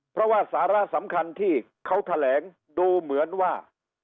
เพราะว่าสาระสำคัญที่เขาแถลงดูเหมือนว่า